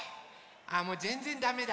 あもうぜんぜんダメだ！